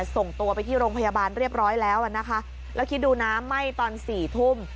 ส่งตัวไปที่โรงพยาบาลเรียบร้อยแล้วอ่ะนะคะแล้วคิดดูน้ำไหม้ตอนสี่ทุ่ม